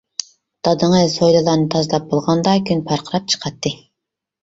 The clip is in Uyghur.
دادىڭىز ھويلىلارنى تازىلاپ بولغاندا كۈن پارقىراپ چىقاتتى.